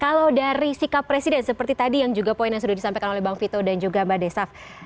kalau dari sikap presiden seperti tadi yang juga poin yang sudah disampaikan oleh bang vito dan juga mbak desaf